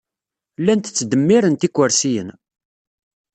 Llant ttderrirent ikersiyen.